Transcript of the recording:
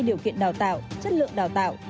điều kiện đào tạo chất lượng đào tạo